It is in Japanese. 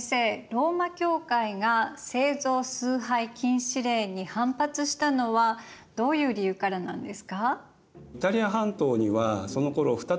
ローマ教会が聖像崇拝禁止令に反発したのはどういう理由からなんですか？